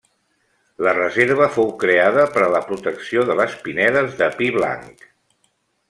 La reserva fou creada per a la protecció de les pinedes de pi blanc.